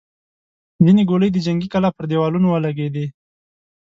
ځينې ګولۍ د جنګي کلا پر دېوالونو ولګېدې.